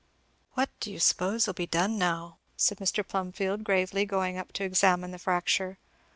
"What do you s'pose'll be done now?" said Mr. Plumfield gravely going up to examine the fracture.